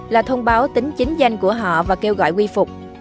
là thông báo tính chính danh của họ và kêu gọi quy phục